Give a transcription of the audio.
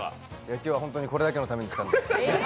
今日は本当にこれだけのために来たんで。